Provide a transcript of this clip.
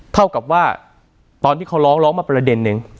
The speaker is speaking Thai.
เท่ากับว่าตอนที่เขาร้องร้องมาประเด็นนึง